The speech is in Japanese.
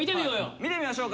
見てみましょうか。